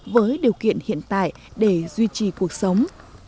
với điều kiện hiện tại để duy trì cuộc sống